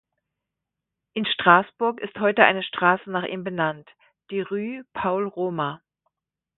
In Straßburg ist heute eine Straße nach ihm benannt, die "„Rue Paul Rohmer“".